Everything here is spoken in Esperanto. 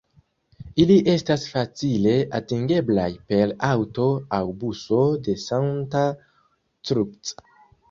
Ili estas facile atingeblaj per aŭto aŭ buso de Santa Cruz.